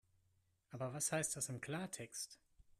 Aber was heißt das im Klartext?